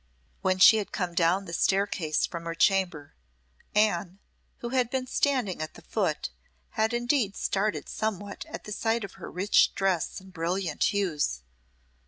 When she had come down the staircase from her chamber, Anne, who had been standing at the foot, had indeed started somewhat at the sight of her rich dress and brilliant hues.